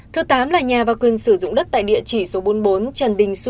thứ tám là nhà và quyền sử dụng đất tại địa chỉ số bốn mươi bốn trần đinh